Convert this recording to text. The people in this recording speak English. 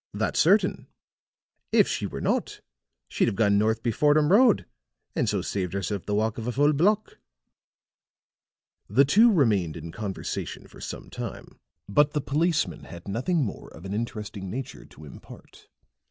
That's certain. If she were not, she'd have gone north be Fordham Road and so saved herself the walk av a full block." The two remained in conversation for some time; but the policeman had nothing more of an interesting nature to impart.